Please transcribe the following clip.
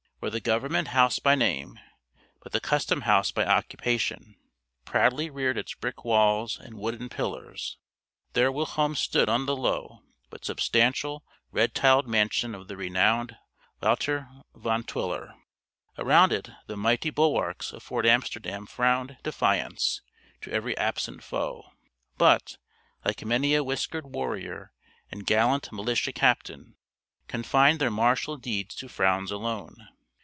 Where the government house by name, but the customhouse by occupation, proudly reared its brick walls and wooden pillars, there whilom stood the low, but substantial red tiled mansion of the renowned Wouter Van Twiller. Around it the mighty bulwarks of Fort Amsterdam frowned defiance to every absent foe; but, like many a whiskered warrior and gallant militia captain, confined their martial deeds to frowns alone.